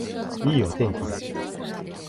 いいお天気だ